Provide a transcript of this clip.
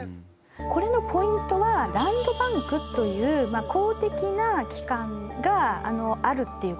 これのポイントはランドバンクという公的な機関があるっていうことなんですね。